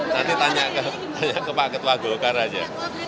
nanti tanya ke pak ketua golkar aja